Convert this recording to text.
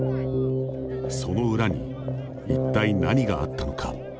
その裏に一体何があったのか。